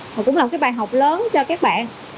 và cũng là một cái bài học lớn cho các bạn